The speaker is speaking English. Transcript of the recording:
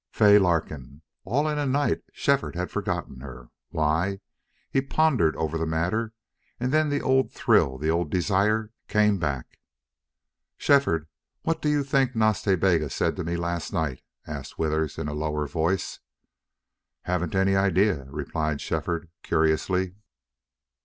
Fay Larkin! All in a night Shefford had forgotten her. Why? He pondered over the matter, and then the old thrill, the old desire, came back. "Shefford, what do you think Nas Ta Bega said to me last night?" asked Withers in lower voice. "Haven't any idea," replied Shefford, curiously.